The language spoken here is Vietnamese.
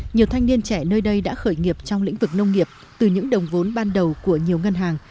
nhiều thanh niên trẻ nơi đây đã khởi nghiệp trong lĩnh vực nông nghiệp từ những đồng vốn ban đầu của nhiều ngân hàng